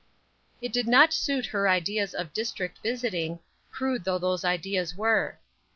It did not suit her ideas of district visiting, crude though those ideas were.